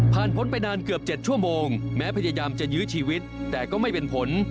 พ้นไปนานเกือบ๗ชั่วโมงแม้พยายามจะยื้อชีวิตแต่ก็ไม่เป็นผล